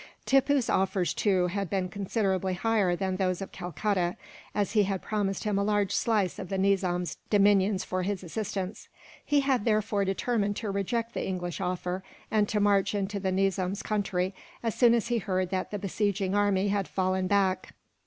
Tippoo's offers, too, had been considerably higher than those of Calcutta, as he had promised him a large slice of the Nizam's dominions for his assistance. He had therefore determined to reject the English offer, and to march into the Nizam's country, as soon as he heard that the besieging army had fallen back.